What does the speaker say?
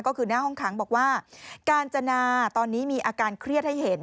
ก็คือหน้าห้องขังบอกว่ากาญจนาตอนนี้มีอาการเครียดให้เห็น